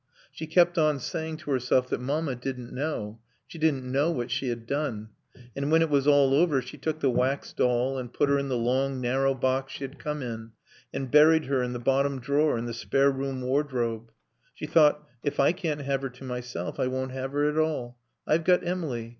She kept on saying to herself that Mamma didn't know; she didn't know what she had done. And when it was all over she took the wax doll and put her in the long narrow box she had come in, and buried her in the bottom drawer in the spare room wardrobe. She thought: If I can't have her to myself I won't have her at all. I've got Emily.